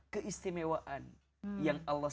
keistimewaan yang allah